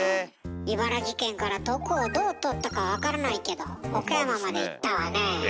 茨城県からどこをどう通ったか分からないけど岡山まで行ったわねえ。